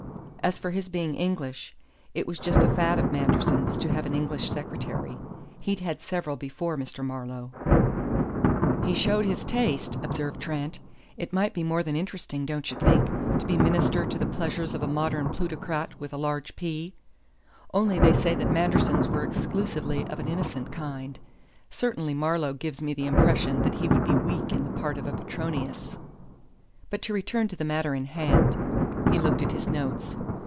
As for his being English, it was just a fad of Manderson's to have an English secretary. He'd had several before Mr. Marlowe." "He showed his taste," observed Trent. "It might be more than interesting, don't you think, to be minister to the pleasures of a modern plutocrat with a large P? Only they say that Manderson's were exclusively of an innocent kind. Certainly Marlowe gives me the impression that he would be weak in the part of Petronius. But to return to the matter in hand." He looked at his notes.